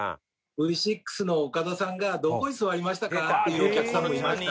「“Ｖ６の岡田さんがどこに座りましたか？”っていうお客様もいました」